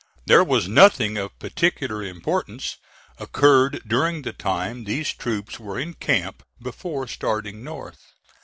There was nothing of particular importance occurred during the time these troops were in camp before starting North.